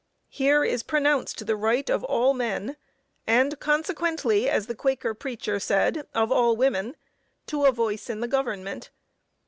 Here is pronounced the right of all men, and "consequently," as the Quaker preacher said, "of all women," to a voice in the government.